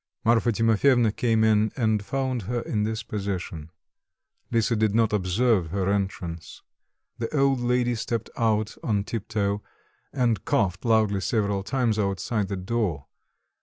Marfa Timofyevna came in and found her in this position. Lisa did not observe her entrance. The old lady stepped out on tip toe and coughed loudly several times outside the door.